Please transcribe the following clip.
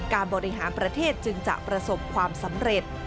บริหารประเทศจึงจะประสบความสำเร็จ